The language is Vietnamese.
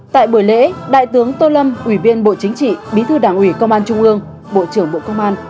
tại buổi lễ đại tướng tô lâm ủy viên bộ chính trị bí thư đảng ủy công an trung ương bộ trưởng bộ công an